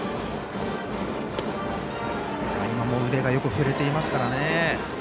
今も腕がよく振れていますからね。